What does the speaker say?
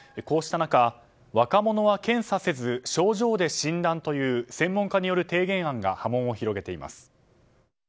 こうした中、若者は検査せず症状で診断という専門家による提言案が波紋を広げています。